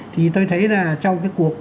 thì tôi thấy là trong cái cuộc